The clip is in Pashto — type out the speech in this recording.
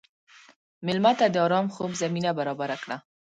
مېلمه ته د ارام خوب زمینه برابره کړه.